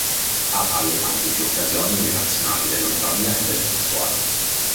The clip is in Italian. Ha allenato in più occasioni le nazionali dello Zambia e del Botswana.